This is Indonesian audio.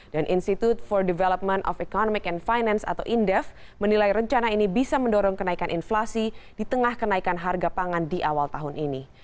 dan institute for development of economic and finance atau indef menilai rencana ini bisa mendorong kenaikan inflasi di tengah kenaikan harga pangan di awal tahun ini